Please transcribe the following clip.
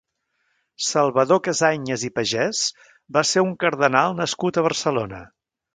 Salvador Casañas i Pagès va ser un cardenal nascut a Barcelona.